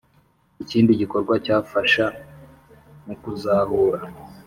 Ikindi gikorwa cyafasha mu kuzahura